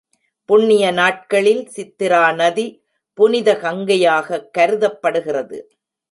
புண்ணிய நாட்களில் சித்திரா நதி, புனித கங்கையாகக் கருதப்படுகிறது.